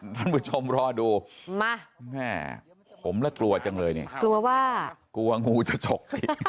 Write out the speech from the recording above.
ท่านผู้ชมรอดูมาแม่ผมและกลัวจังเลยเนี่ยกลัวว่ากลัวงูจะฉกอีก